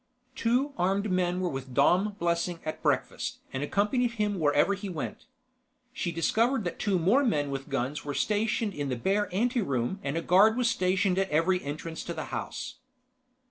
Two armed men were with Dom Blessing at breakfast and accompanied him wherever he went. She discovered that two more men with guns were stationed in the bare anteroom and a guard was stationed at every entrance to the house.